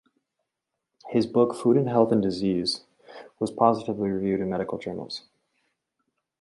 His book "Food in Health and Disease" was positively reviewed in medical journals.